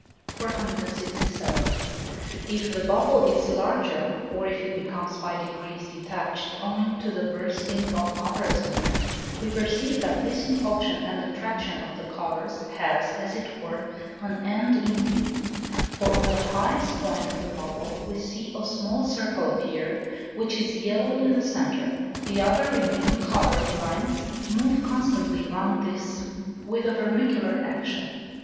467. If the bubble is larger, or if it becomes by degrees detached, owing to the bursting of others near, we perceive that this impulsion and attraction of the colours has, as it were, an end in view; for on the highest point of the bubble we see a small circle appear, which is yellow in the centre; the other remaining coloured lines move constantly round this with a vermicular action.